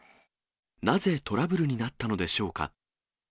なぜトラブルになったのでしょうか。